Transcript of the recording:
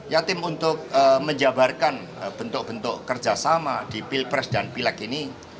ya tim untuk menjabarkan bentuk bentuk kerjasama di pilpres dan pileg ini